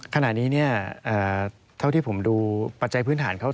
สวัสดีค่ะที่จอมฝันครับ